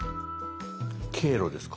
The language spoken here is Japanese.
「経路」ですか？